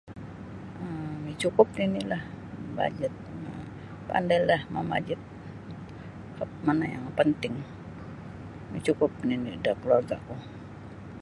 um micukup nini'lah bajet um pandailah mamajet mana' yang penting micukup nini' da keluarga'ku.